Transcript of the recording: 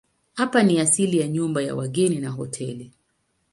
Hapa ni asili ya nyumba ya wageni na hoteli.